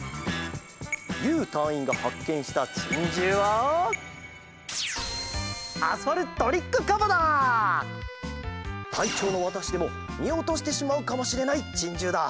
ゆうたいいんがはっけんしたチンジューはたいちょうのわたしでもみおとしてしまうかもしれないチンジューだ。